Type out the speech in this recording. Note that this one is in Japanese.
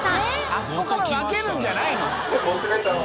あそこから分けるんじゃないの？